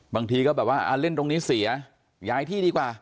บางทีก็แบบว่าเล่นตรงนี้เสียย้ายที่ดีกว่า